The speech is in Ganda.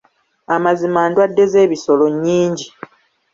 Amazima ndwadde z'ebisolo nnyingi.